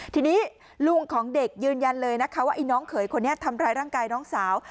ทีนี้ลุงของเด็กยืนยันเลยนะคะว่าไอ้น้องเขยคนนี้ทำร้ายร่างกายน้องสาว